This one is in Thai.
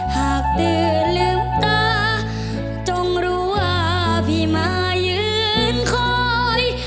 หากตื่นลืมตาจงรู้ว่าพี่มายืนคอย